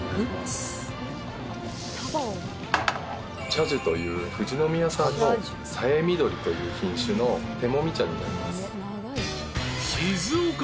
茶寿という富士宮産のさえみどりという品種の手もみ茶になります。